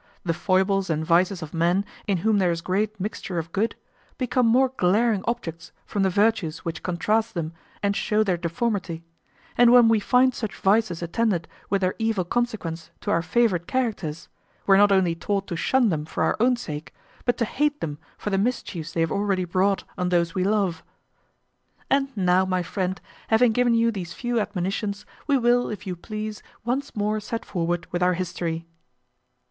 The foibles and vices of men, in whom there is great mixture of good, become more glaring objects from the virtues which contrast them and shew their deformity; and when we find such vices attended with their evil consequence to our favourite characters, we are not only taught to shun them for our own sake, but to hate them for the mischiefs they have already brought on those we love. And now, my friend, having given you these few admonitions, we will, if you please, once more set forward with our history.